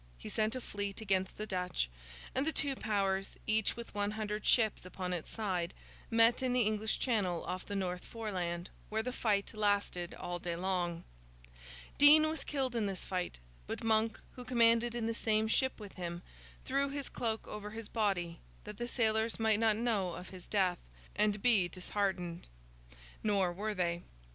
He sent a fleet to sea against the Dutch; and the two powers, each with one hundred ships upon its side, met in the English Channel off the North Foreland, where the fight lasted all day long. Dean was killed in this fight; but Monk, who commanded in the same ship with him, threw his cloak over his body, that the sailors might not know of his death, and be disheartened. Nor were they.